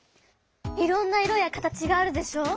いろんな色や形があるでしょ。